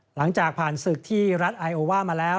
หลังจากผ่านศึกที่รัฐไอโอว่ามาแล้ว